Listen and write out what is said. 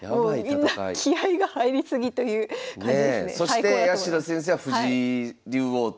そして八代先生は藤井竜王と。